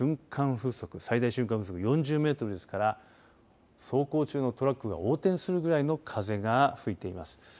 風速最大瞬間風速４０メートルですから走行中のトラックが横転するぐらいの風が吹いています。